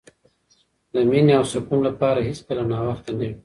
د مینې او سکون لپاره هېڅکله ناوخته نه وي.